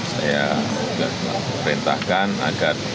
saya perintahkan agar